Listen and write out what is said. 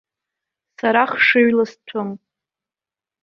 Сара хшыҩла сҭәым.